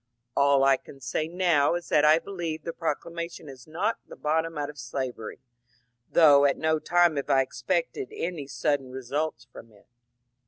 ^^ All I can say now is that I believe the proclamation has knocked the bottom out of slavery, though at no time have I expected any sudden results from it."